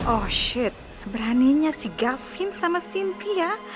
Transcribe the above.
oh shit beraninya si gafin sama cynthia